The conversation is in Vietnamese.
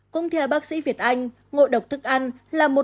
công thi hà bác sĩ việt anh ngộ độc thức ăn là một mối lợi